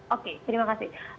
oke terima kasih